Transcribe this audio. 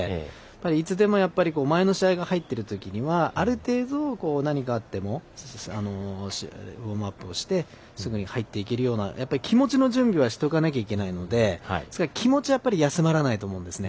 いつでも前の試合が入っているときにはある程度、何かあってもウォームアップをしてすぐに入っていけるような気持ちの準備はしとかないといけないので気持ちは休まらないと思うんですよね。